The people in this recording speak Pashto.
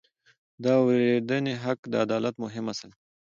د اورېدنې حق د عدالت مهم اصل دی.